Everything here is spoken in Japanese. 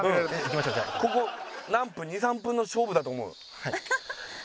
ここ何分２３分の勝負だと思う。